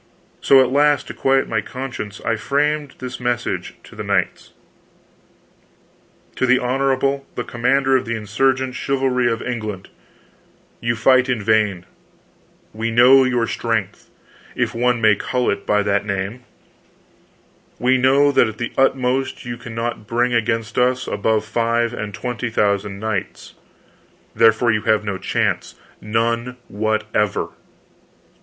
So, at last, to quiet my conscience, I framed this message to the knights: TO THE HONORABLE THE COMMANDER OF THE INSURGENT CHIVALRY OF ENGLAND: You fight in vain. We know your strength—if one may call it by that name. We know that at the utmost you cannot bring against us above five and twenty thousand knights. Therefore, you have no chance—none whatever.